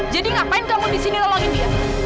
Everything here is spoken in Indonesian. jadi ngapain kamu disini lolohin dia